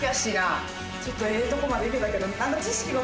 ちょっとええとこまでいけたけど。